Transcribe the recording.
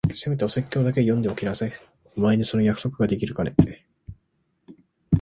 せめてお説教だけは読んでおきなさい。お前にその約束ができるかね？